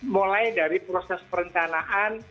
mulai dari proses perencanaan